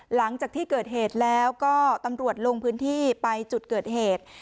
หลังจากที่เกิดเหตุแล้วก็ตำรวจลงพื้นที่ไปจุดเกิดเหตุ